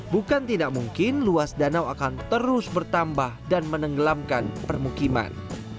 bukan tidak mungkin luas danau akan terus bertambah dan menenggelamkan permukiman